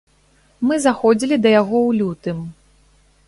Мы заходзілі да яго ў лютым.